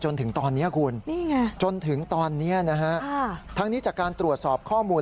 จนถึงตอนนี้คุณจนถึงตอนนี้นะฮะทั้งนี้จากการตรวจสอบข้อมูล